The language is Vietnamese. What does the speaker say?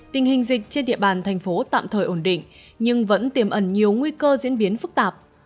tình hình dịch trên địa bàn thành phố tạm thời ổn định nhưng vẫn tiềm ẩn nhiều nguy cơ diễn biến phức tạp